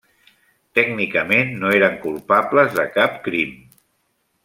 Tècnicament, no eren culpables de cap crim.